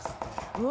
うわ！